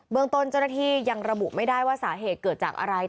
เมืองต้นเจ้าหน้าที่ยังระบุไม่ได้ว่าสาเหตุเกิดจากอะไร